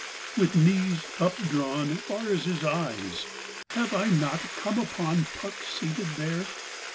With knees updrawn Far as his eyes, have I not come upon Puck seated there?